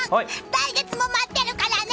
来月も待ってるからね！